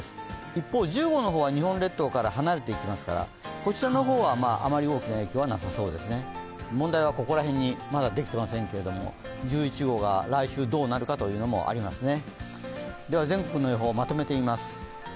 一方、１０号の方は日本列島から離れていきますからこちらの方はあまり大きな影響はなさそうです問題はここら辺にまだできていませんけど１１号が来週どうなるかというのもありますね。